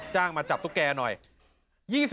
มาจับตุ๊กแกหน่อย